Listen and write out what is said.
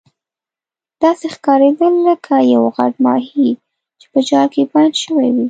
داسې ښکاریدل لکه یو غټ ماهي چې په جال کې بند شوی وي.